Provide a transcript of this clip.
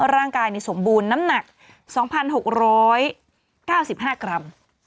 ร่างกายสมบูรณ์น้ำหนัก๒๖๙๕กรัม